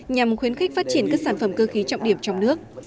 nhằm khuyến khích phát triển các sản phẩm cơ khí trọng điểm trong nước